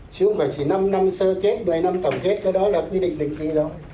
chứ không phải chỉ năm năm sơ kết một mươi năm tổng kết cái đó là quy định định kỳ đó